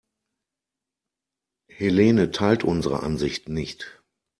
Helene teilt unsere Ansicht nicht.